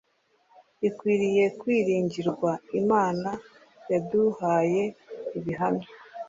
ikwiriye kwiringirwa Imana yaduhaye ibihamya